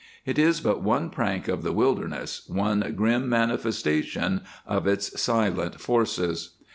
It is but one prank of the wilderness, one grim manifestation of its silent forces.